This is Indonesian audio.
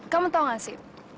kamu tau gak sih